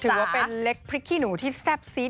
ว่าเป็นเล็กพริกขี้หนูที่แซ่บซีด